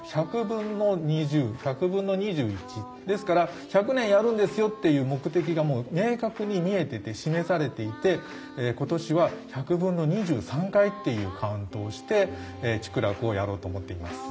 １００分の２０１００分の２１。ですから１００年やるんですよっていう目的が明確に見えてて示されていて今年は１００分の２３回っていうカウントをして竹楽をやろうと思っています。